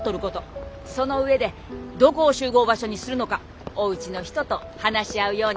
その上でどこを集合場所にするのかおうちの人と話し合うように。